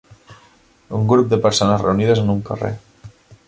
Un grup de persones reunides en un carrer.